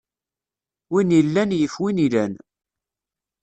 Win illan yif win ilan.